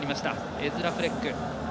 エズラ・フレック